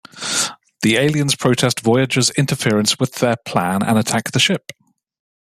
The aliens protest Voyager's interference with their plan and attack the ship.